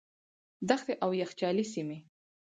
دښتې او یخچالي سیمې.